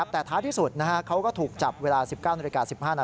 แต่ท้าที่สุดเขาก็ถูกจับเวลา๑๙น๑๕น